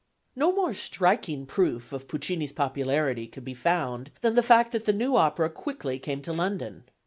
No more striking proof of Puccini's popularity could be found than the fact that the new opera quickly came to London.